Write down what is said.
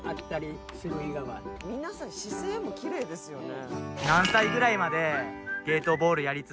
皆さん姿勢もキレイですよね。